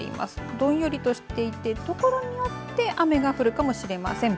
どんよりとしていてところによって雨が降るかもしれません。